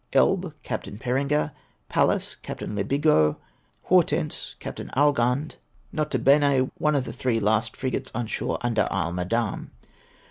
Elbe, Capt. Perrengier. Pallas, Capt. Le Bigot. Hortense, Capt. Allgand. N.B. One of the three last frigates on shore under Isle Madame.